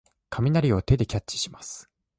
雷を手でキャッチします。